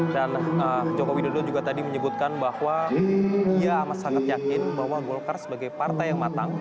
dan joko widodo juga tadi menyebutkan bahwa dia sangat yakin bahwa golkar sebagai partai yang matang